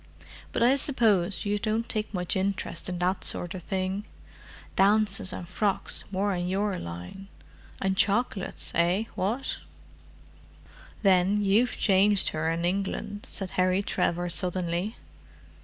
But I suppose you don't take much interest in that sort of thing? Dances and frocks more in your line—and chocolates, eh, what?" "Then you've changed her in England," said Harry Trevor suddenly.